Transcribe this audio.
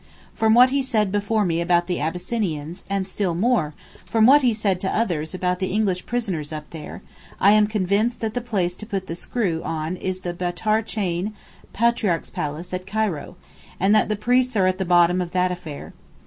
From what he said before me about the Abyssinians, and still more, from what he said to others about the English prisoners up there, I am convinced that the place to put the screw on is the Batrarchane (Patriarch's palace) at Cairo, and that the priests are at the bottom of that affair.